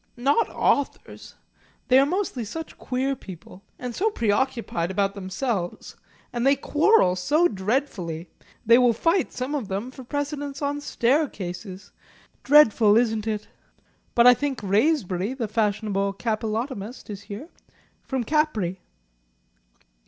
"No authors. They are mostly such queer people and so preoccupied about themselves. And they quarrel so dreadfully! They will fight, some of them, for precedence on staircases! Dreadful, isn't it? But I think Wraysbury, the fashionable capillotomist, is here. From Capri."